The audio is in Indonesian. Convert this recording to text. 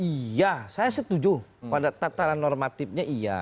iya saya setuju pada tataran normatifnya iya